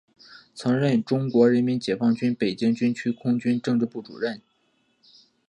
曾任中国人民解放军北京军区空军政治部主任。